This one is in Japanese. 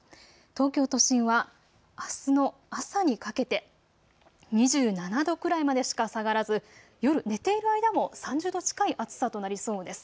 東京都心はあすの朝にかけて２７度くらいまでしか下がらず夜寝ている間も３０度近い暑さとなりそうです。